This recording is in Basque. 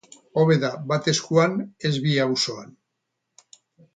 Hobe da bat eskuan, ez bi auzoan.